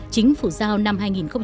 chính phủ giao năm hai nghìn một mươi chín